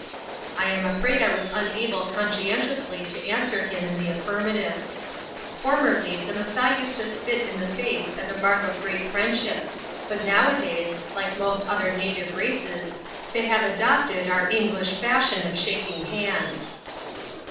I am afraid I was unable conscientiously to answer him in the affirmative. Formerly the Masai used to spit in the face as a mark of great friendship, but nowadays like most other native races they have adopted our English fashion of shaking hands.